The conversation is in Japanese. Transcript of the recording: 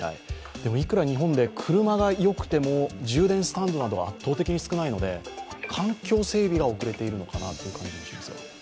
でもいくら日本で車がよくても充電スタンドなどが圧倒的に少ないので環境整備が遅れているのかなという感じもしますが。